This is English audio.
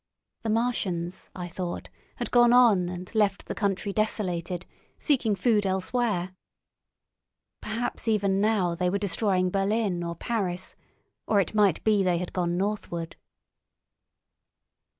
The Martians, I thought, had gone on and left the country desolated, seeking food elsewhere. Perhaps even now they were destroying Berlin or Paris, or it might be they had gone northward.